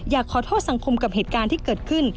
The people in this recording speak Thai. อยากขอโทษสังคมกับเหตุการณ์ที่เกิดขึ้น